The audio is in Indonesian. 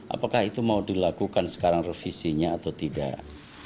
apakah itu mau dilakukan sekarang revisinya atau tidak